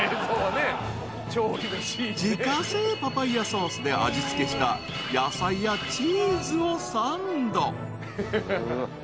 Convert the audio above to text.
［自家製パパイアソースで味付けした野菜やチーズをサンド］